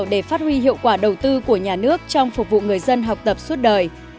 để phát huy hiệu quả đầu tư của nhà nước trong phục vụ người dân học tập suốt đời